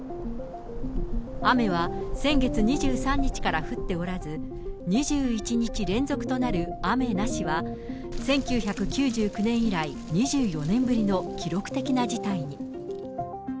雨は先月２３日から降っておらず、２１日連続となる雨なしは、１９９９年以来、２４年ぶりの記録的な事態に。